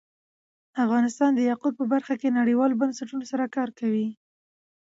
افغانستان د یاقوت په برخه کې نړیوالو بنسټونو سره کار کوي.